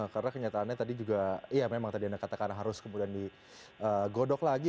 karena kenyataannya tadi juga ya memang tadi anda katakan harus kemudian digodok lagi